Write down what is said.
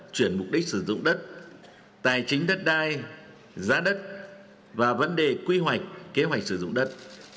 chuyển mục đích sử dụng đất tài chính đất đai giá đất và vấn đề quy hoạch kế hoạch sử dụng đất